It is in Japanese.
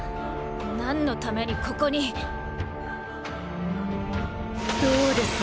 なんのためにここに⁉どうです